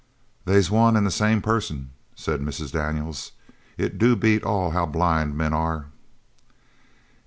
"They's one an' the same person," said Mrs. Daniels. "It do beat all how blind men are!"